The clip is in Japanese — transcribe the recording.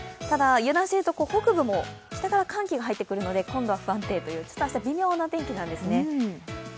ただ、油断していると北部も、北から寒気が入ってくるので今度は不安定という、明日、微妙な天気なんですね。